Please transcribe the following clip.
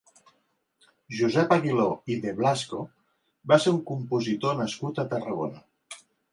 Josep Aguiló i de Blasco va ser un compositor nascut a Tarragona.